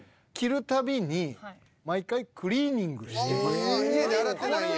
ああ家で洗ってないんや。